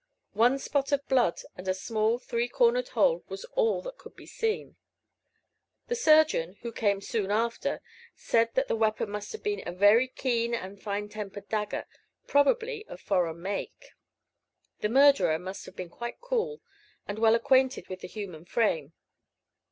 One spot of blood and a small three cornered hole was all that could be seen. The surgeon, who came soon after, said that the weapon must have been a very keen and finely tempered dagger, probably of foreign make. The murderer must have been quite cool, and well acquainted with the human frame.